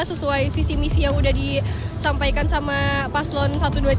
sesuai visi misi yang udah disampaikan sama paslon satu dua tiga